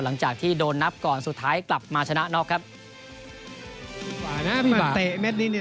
หลังจากที่โดนนับก่อนสุดท้ายกลับมาชนะน็อกครับเตะเม็ดนี้เนี่ย